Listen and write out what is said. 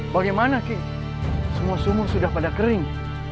bagaimana ki semua sumur sudah pada kering